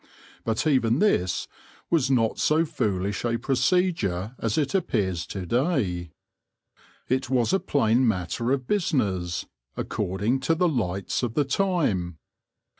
But even this was not so foolish a procedure as it appears to day. It was a plain matter of busi ness, according to the lights of the time.